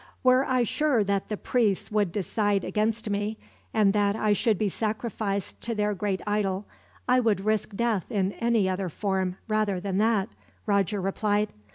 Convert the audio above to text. "Were I sure that the priests would decide against me, and that I should be sacrificed to their great idol, I would risk death in any other form, rather than that," Roger replied.